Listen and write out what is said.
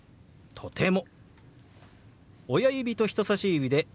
「とても」。